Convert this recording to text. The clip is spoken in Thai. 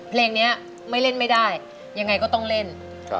เพลงนี้ไม่เล่นไม่ได้ยังไงก็ต้องเล่น